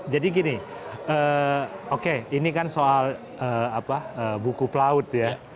jadi gini ini kan soal buku pelaut ya